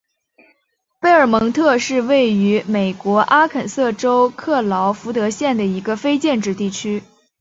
贝尔蒙特是位于美国阿肯色州克劳福德县的一个非建制地区。